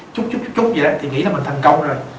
chút chút chút vậy đó thì nghĩ là mình thành công rồi